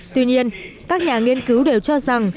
tuy nhiên các nhà nghiên cứu đều cho rằng